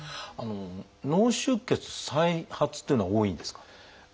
脳出血再発というのは多いんですか？